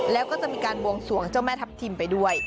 แล้วก็จะมีการบวงสวงเจ้าแม่ทัพทิมไปด้วย